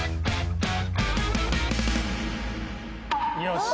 よし。